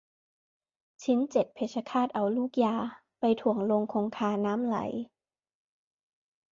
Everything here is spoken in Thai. ชิ้นเจ็ดเพชรฆาฎเอาลูกยา ไปถ่วงลงคงคาน้ำไหล